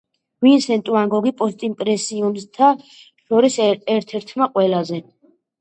ვინსენტ ვან გოგი – პოსტიმპრესიონისტთა შორის ერთ-ერთმა ყველაზე